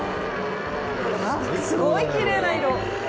すごいきれいな色。